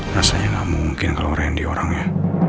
rasanya gak mungkin kalau randy orangnya